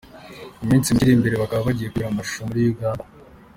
Mu minsi mike iri imbere bakaba bagiye kuyikorera amashusho muri Uganda.